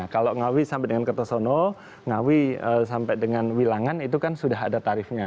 kalau ngawi sampai dengan kertosono ngawi sampai dengan wilangan itu kan sudah ada tarifnya